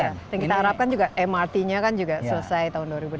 kita harapkan juga mrt nya kan juga selesai tahun dua ribu delapan belas